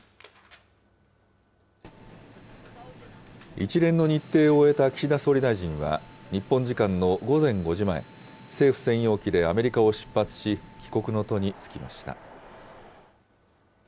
一連の日程を終えた岸田総理大臣は日本時間の午前５時前、政府専用機でアメリカを出発し、帰国の途に就きました。